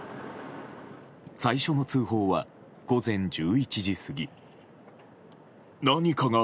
最初の通報は午前１１時過ぎ。